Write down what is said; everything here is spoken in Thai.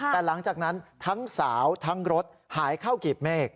แต่หลังจากนั้นทั้งสาวทั้งรถหายเข้ากีบเมฆ